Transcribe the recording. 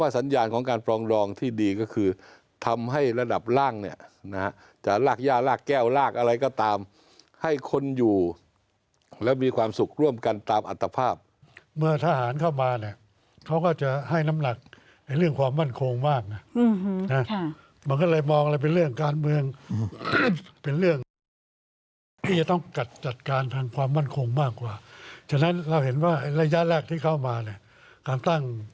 สัญญาณของการปรองดองที่ดีก็คือทำให้ระดับล่างเนี่ยนะจะลากย่าลากแก้วลากอะไรก็ตามให้คนอยู่แล้วมีความสุขร่วมกันตามอัตภาพเมื่อทหารเข้ามาเนี่ยเขาก็จะให้น้ำหนักเรื่องความมั่นคงมากนะมันก็เลยมองอะไรเป็นเรื่องการเมืองเป็นเรื่องที่จะต้องกัดจัดการทางความมั่นคงมากกว่าฉะนั้นเราเห็นว่าระยะแรกที่เข้ามาเนี่ยการตั้ง